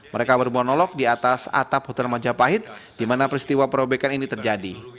mereka bermonolog di atas atap hotel majapahit di mana peristiwa perobekan ini terjadi